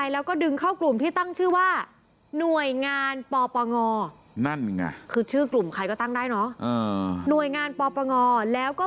แล้วดึงเข้ากลุ่มที่ตั้งชื่อว่า